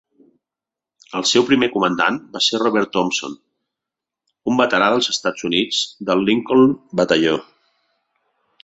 El seu primer comandant va ser Robert Thompson, un veterà dels Estats Units del Lincoln batalló.